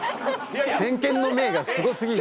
先見の明がすご過ぎる。